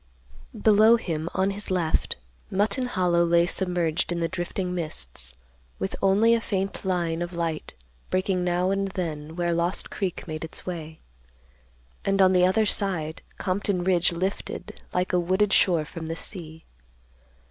Below him, on his left, Mutton Hollow lay submerged in the drifting mists, with only a faint line of light breaking now and then where Lost Creek made its way; and on the other side Compton Ridge lifted like a wooded shore from the sea.